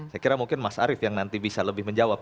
saya kira mungkin mas arief yang nanti bisa lebih menjawab